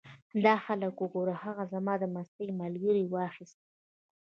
دا خلک وګوره! هغه زما د مستۍ ملګری یې واخیست.